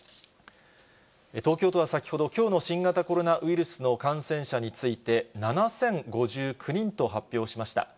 東京都は先ほど、きょうの新型コロナウイルスの感染者について、７０５９人と発表しました。